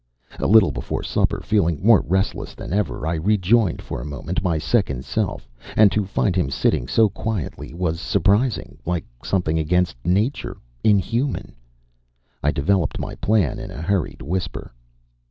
A little before supper, feeling more restless than ever, I rejoined, for a moment, my second self. And to find him sitting so quietly was surprising, like something against nature, inhuman. I developed my plan in a hurried whisper.